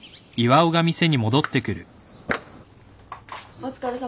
お疲れさま。